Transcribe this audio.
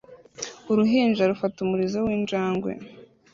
Uruhinja rufata umurizo w'injangwe